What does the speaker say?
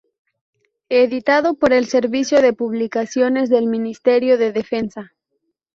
Editado por el Servicio de Publicaciones del Ministerio de Defensa.